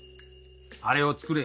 あれを作れ